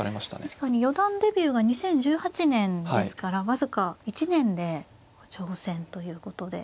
確かに四段デビューが２０１８年ですから僅か１年で挑戦ということで。